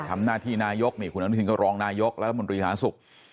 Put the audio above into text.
ทำหน้าที่นายกคุณอนุทิร์ก็รองนายกแล้วบริหารสุข